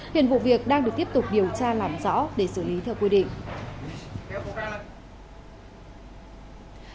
hiện vụ việc đang được tiếp tục điều tra làm rõ để xử lý theo quy định